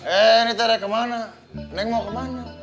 eh ini tere ke mana neng mau ke mana